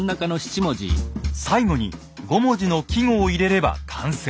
最後に五文字の季語を入れれば完成。